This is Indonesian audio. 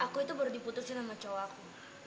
aku itu baru diputusin sama cowokku